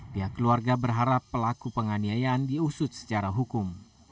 pihak keluarga berharap pelaku penganiayaan diusut secara hukum